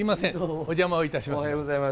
お邪魔をいたします。